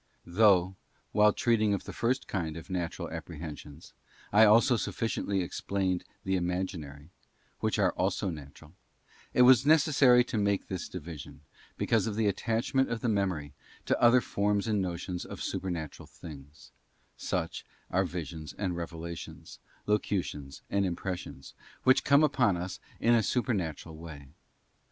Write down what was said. THovGH, while treating of the first kind of Natural Apprehen sions, I also sufficiently explained the Imaginary, which are also natural, it was necessary to make this division, because of the attachment of the Memory to other forms and notions of Supernatural things: such are Visions and Revelations, § Locutions and Impressions, which come upon us in a super natural way.